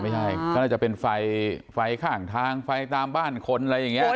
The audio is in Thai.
ไม่ใช่ก็น่าจะเป็นไฟไฟข้างทางไฟตามบ้านคนอะไรอย่างนี้